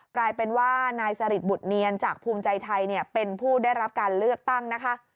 กลายเป็นว่านายสริทบุตเนียนจากภูมิใจไทยเป็นผู้ได้รับการเลือกตั้งนะคะ